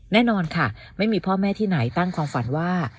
แน่นอนค่ะไม่มีพ่อแม่ที่ไหนตั้งความฝันว่า